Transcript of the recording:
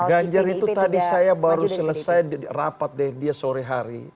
ganjar itu tadi saya baru selesai rapat dengan dia sore hari